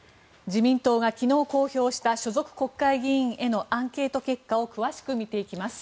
自民党が昨日公表した所属議員へのアンケート結果を詳しく見ていきます。